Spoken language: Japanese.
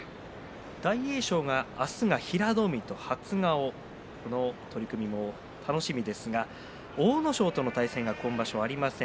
大栄翔は明日、平戸海と初顔の取組も楽しみですが阿武咲との対戦が今場所ありません。